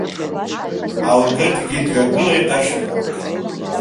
Алгыдгьы дҩагылеит ашырҳәа.